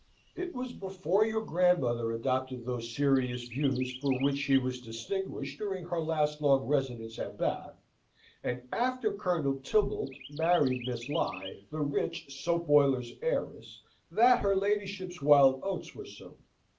It was before your grandmother adopted those serious views for which she was distinguished during her last long residence at Bath, and after Colonel Tibbalt married Miss Lye, the rich soap boiler's heiress, that her ladyship's wild oats were sown.